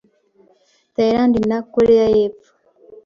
Thailand na Koreya y'Epfo